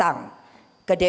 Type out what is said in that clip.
datang ke dpr